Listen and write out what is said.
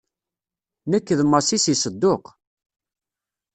Nekk d Masi si Sedduq.